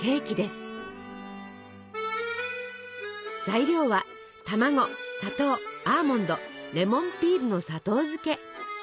材料は卵砂糖アーモンドレモンピールの砂糖漬けシナモン。